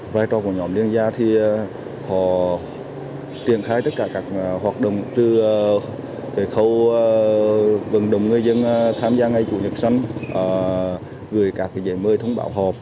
vai trò của nhóm liên gia thì họ tiến khai tất cả các hoạt động từ khẩu vận động người dân tham gia ngày chủ nhật sân gửi các dạy mươi thông báo họp